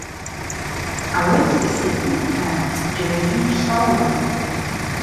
Ауи ацкӏыс йпудта зджьарагьи йгьшваурым.